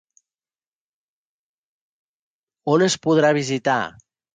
On es podrà visitar?